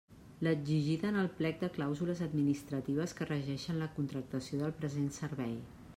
L'exigida en el plec de clàusules administratives que regeixen la contractació del present servei.